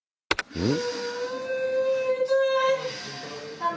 うん。